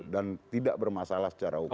dan tidak bermasalah secara umum